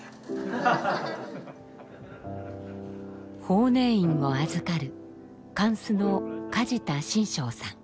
法然院を預かる貫主の梶田真章さん。